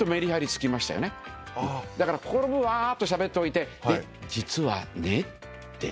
だからここの部分わーっとしゃべっといて実はねって。